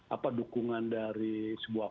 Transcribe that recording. apa dukungan dari sebuah